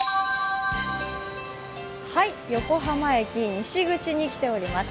横浜駅西口に来ております。